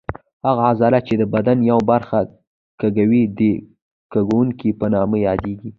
هغه عضله چې د بدن یوه برخه کږوي د کږوونکې په نامه یادېږي.